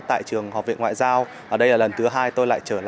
tại trường học viện ngoại giao